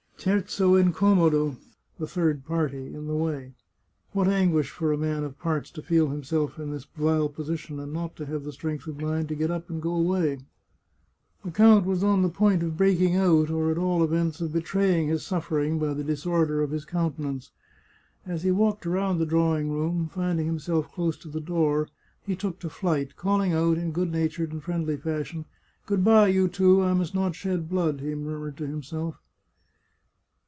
Terzo incommodo (the third party, in the way) ! What anguish for a man of parts to feel himself in this vile position, and not to have strength of mind to get up and go away !" The count was on the point of breaking out, or at all events of betraying his suffering by the disorder of his countenance. As he walked round the drawing room, find ing himself close to the door, he took to flight, calling out, in good natured and friendly fashion, " Good bye, you two! — I must not shed blood," he murmured to himself.